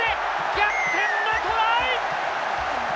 逆転のトライ！